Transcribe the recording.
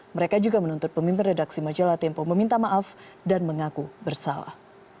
mereka juga menuntut pemimpin redaksi majalah tempo meminta maaf dan mengaku bersalah